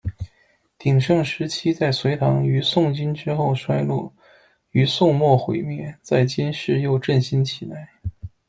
鼎盛时期在隋唐，于宋金之后衰落，于宋末毁灭，在今世又振兴起来。